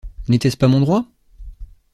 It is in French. N’était-ce pas mon droit?